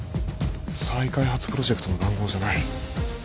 再開発プロジェクトの談合じゃない。